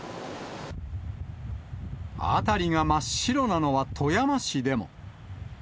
辺りが真っ白なのは富山市でも。